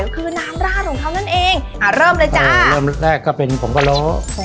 คือน้ำราดของเขานั่นเองอ่าเริ่มเลยจ้ะเริ่มแรกก็เป็นผงกะโล้